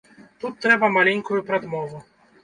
Тут трэба маленькую прадмову.